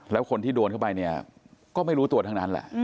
แล้วคนที่โดนเข้าไปเนี่ยก็ไม่รู้ตัวทั้งนั้นแหละ